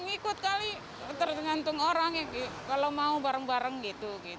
ngikut kali tergantung orang ya kalau mau bareng bareng gitu